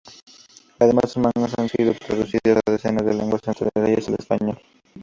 Además, sus mangas han sido traducidas a decenas de lenguas, entre ellas el español.